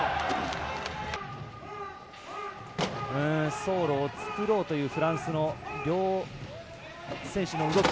走路を作ろうというフランスの両選手の動き。